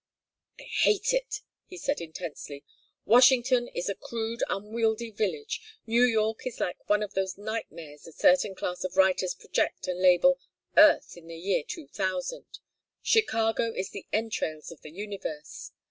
"I hate it!" he said intensely. "Washington is a crude unwieldy village. New York is like one of those nightmares a certain class of writers project and label 'Earth in the Year 2000.' Chicago is the entrails of the universe.